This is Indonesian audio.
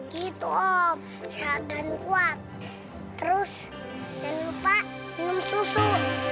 gitu om sehat dan kuat terus jangan lupa mencusuk